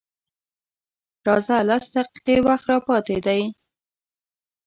_راځه! لس دقيقې وخت لا پاتې دی.